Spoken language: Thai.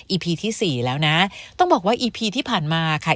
พีที่สี่แล้วนะต้องบอกว่าอีพีที่ผ่านมาค่ะ